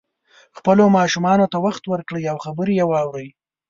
خپلو ماشومانو ته وخت ورکړئ او خبرې یې واورئ